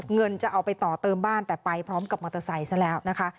เงินจะเอาไปต่อเติมบ้านแต่ไปพร้อมกับมอเตอร์ไซค์ซะแล้วนะคะ